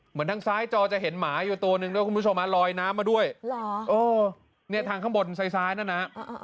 เหมือนทางซ้ายจอจะเห็นหมาอยู่ตัวหนึ่งด้วยคุณผู้ชมลอยน้ำมาด้วยเนี่ยทางข้างบนซ้ายนั่นนะ